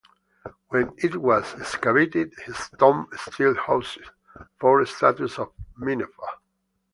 When it was excavated, his tomb still housed four statues of Minnefer.